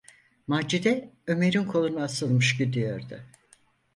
Macide, Ömer’in koluna asılmış gidiyordu.